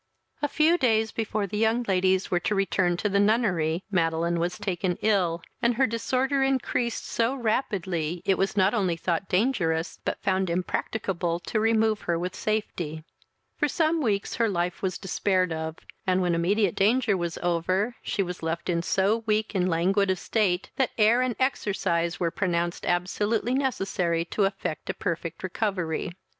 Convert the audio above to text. A few days before the young ladies were to return to the nunnery, Madeline was taken ill, and her disorder increased so rapidly, it was not only thought dangerous, but found impracticable to remove her with safety. For some weeks her life was despaired of, and, when immediate danger was over, she was left in so weak and languid a state, that air and exercise were pronounced absolutely necessary to effect a perfect recovery.